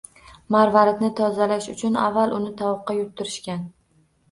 Marvaridni tozalash uchun avval uni tovuqqa yutdirishgan.